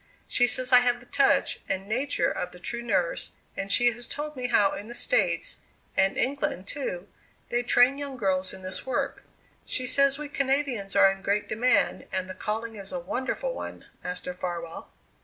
She says I have the touch and nature of the true nurse and she has told me how in the States, and England, too, they train young girls in this work. She says we Canadians are in great demand, and the calling is a wonderful one, Master Farwell."